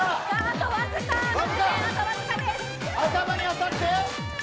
頭に当たって。